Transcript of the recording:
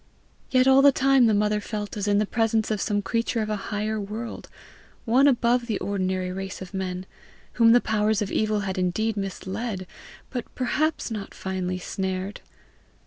Yet all the time the mother felt as in the presence of some creature of a higher world one above the ordinary race of men whom the powers of evil had indeed misled, but perhaps not finally snared.